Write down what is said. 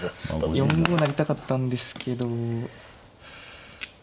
４五成りたかったんですけど。